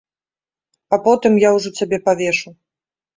А потым я ўжо цябе павешу!